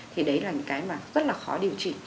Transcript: thì đấy là những cái mà rất là khó điều trị